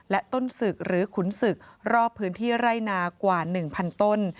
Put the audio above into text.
และต้นศึกหรือขุนศึกรอบพื้นที่ไร่นากว่า๑๐๐ต้น